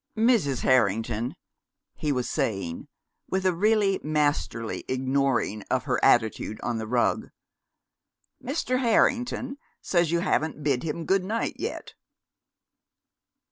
"Mrs. Harrington," he was saying, with a really masterly ignoring of her attitude on the rug, "Mr. Harrington says you haven't bid him good night yet."